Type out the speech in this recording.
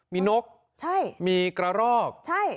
มีนกมีกระรอก